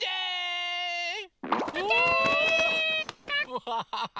ワハハハ！